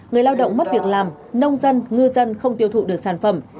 người lao động mất việc làm nông dân ngư dân không tiêu thụ được sản phẩm